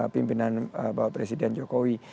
pimpinan bapak presiden jokowi